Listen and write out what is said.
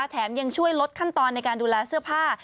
แถมยังช่วยลดขั้นตอนในการดูแลเสื้อผ้า